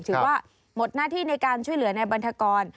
ถือว่าหมดหน้าที่ในการช่วยเหลือในบันทกร